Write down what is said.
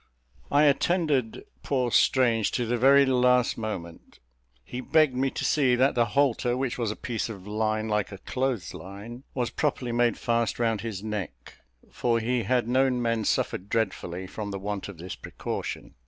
I attended poor Strange to the very last moment; he begged me to see that the halter, which was a piece of line, like a clothes' line, was properly made fast round his neck, for he had known men suffer dreadfully from the want of this precaution.